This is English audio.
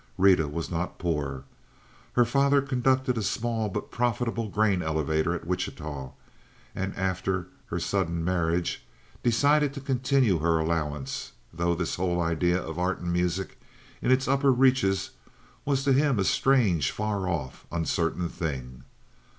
Rita was not poor. Her father conducted a small but profitable grain elevator at Wichita, and, after her sudden marriage, decided to continue her allowance, though this whole idea of art and music in its upper reaches was to him a strange, far off, uncertain thing.